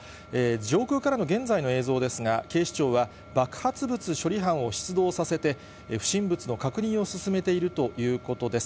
上空からの現在の映像ですが、警視庁は爆発物処理班を出動させて、不審物の確認を進めているということです。